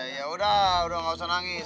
ya udah udah gak usah nangis